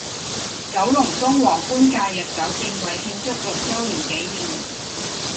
九龍東皇冠假日酒店為慶祝六週年紀念